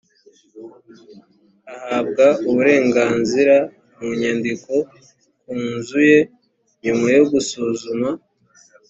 ahabwa uburenganzira mu nyandiko ku nzu ye nyuma yo gusuzuma